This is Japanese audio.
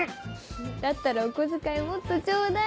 だったらお小遣いもっとちょうだい。